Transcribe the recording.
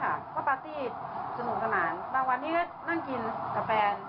ก็ปาร์ตี้สนุกสนานบางวันนี้ก็นั่งกินกับแฟน